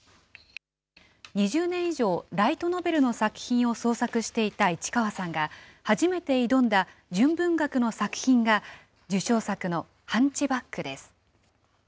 ２０年以上、ライトノベルの作品を創作していた市川さんが、初めて挑んだ純文学の作品が、受賞作のハンチバックです。